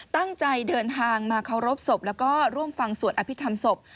ตั้งใจเดินทางมาเคารพศพแล้วก็ร่วมฟังสวดอภิษฐรรมศพ